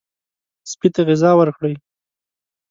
سپي ته غذا ورکړئ.